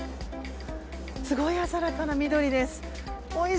すごい鮮やかな緑です。